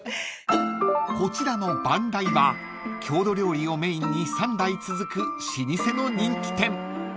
［こちらの萬来は郷土料理をメインに３代続く老舗の人気店］